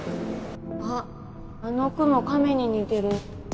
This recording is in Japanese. あっあの雲亀に似てる